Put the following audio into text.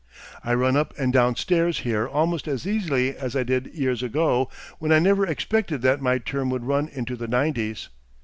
I run up and down stairs here almost as easily as I did years ago, when I never expected that my term would run into the nineties.